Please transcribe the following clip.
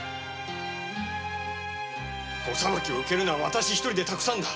お裁きを受けるのは私一人でたくさんだ。